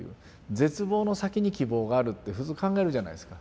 絶望の先に希望があるって普通考えるじゃないですか。